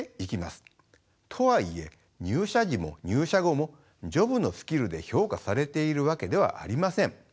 とはいえ入社時も入社後もジョブのスキルで評価されているわけではありません。